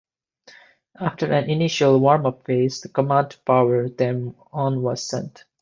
After an initial warm-up phase, the command to power them on was sent.